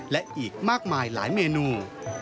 และอีกมากมายหลายเมนู